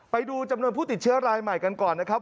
ไปดูจำนวนผู้ติดเชื้อรายใหม่กันก่อนนะครับ